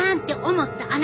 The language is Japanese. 思った。